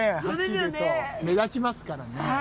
走ると目立ちますからね。